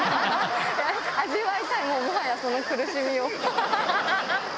味わいたい、もはやその苦しみを。